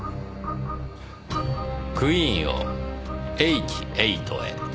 クイーンをｈ８へ。